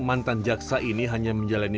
mantan jaksa ini hanya menjalani